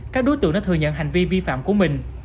các đối tượng đã thừa nhận hành vi vi phạm của mình